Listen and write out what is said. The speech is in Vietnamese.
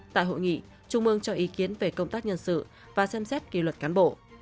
tại hội nghị trung ương cho ý kiến về công tác nhân sự và xem xét kỳ luật cán bộ